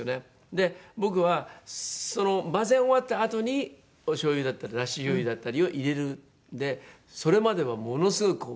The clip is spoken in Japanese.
で僕は混ぜ終わったあとにおしょう油だったりだしじょう油だったりを入れるんでそれまではものすごいコシが。